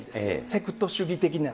セクト主義的な。